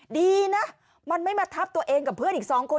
ดีนะมันไม่มาทับตัวเองกับเพื่อนอีกสองคน